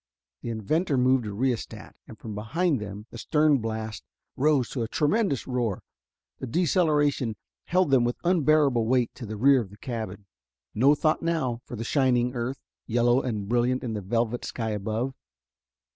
The inventor moved a rheostat, and from behind them the stern blast rose to a tremendous roar. The deceleration held them with unbearable weight to the rear of the cabin. No thought now for the shining earth, yellow and brilliant in the velvet sky above.